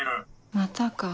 またか。